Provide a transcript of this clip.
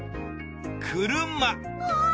車。